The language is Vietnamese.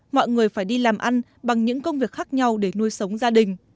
mọi người phải đi làm ăn bằng những công việc khác nhau để nuôi sống gia đình